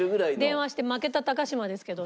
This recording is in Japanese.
電話して「負けた高嶋ですけど」。